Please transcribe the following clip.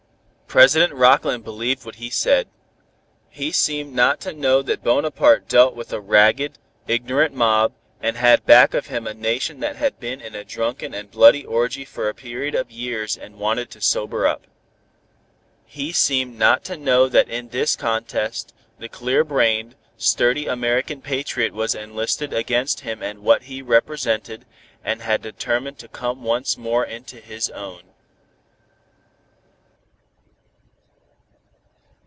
President Rockland believed what he said. He seemed not to know that Bonaparte dealt with a ragged, ignorant mob, and had back of him a nation that had been in a drunken and bloody orgy for a period of years and wanted to sober up. He seemed not to know that in this contest, the clear brained, sturdy American patriot was enlisted against him and what he represented, and had determined to come once more into his own.